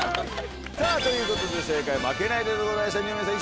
さぁということで正解は『負けないで』でございました。